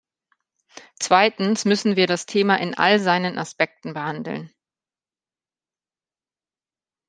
Zweitens müssen wir das Thema in all seinen Aspekten behandeln.